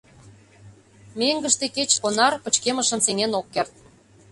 Меҥгыште кечыше электропонар пычкемышым сеҥен ок керт.